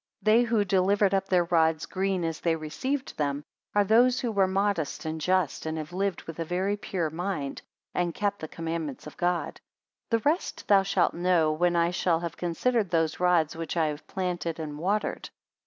30 They who delivered up their rods green as they received them, are those who were modest and just, and have lived with a very pure mind, and kept the commandments of God. 31 The rest thou shalt know, when I shall have considered those rods which I have planted and watered.